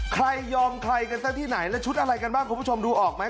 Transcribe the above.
ใครยอมใครกันซะที่ไหนและชุดอะไรกันบ้างคุณผู้ชมดูออกไหม